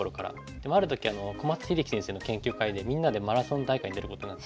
でもある時小松英樹先生の研究会でみんなでマラソン大会に出ることになって。